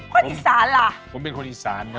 คนอิสานล่ะผมเป็นคนอิสานครับ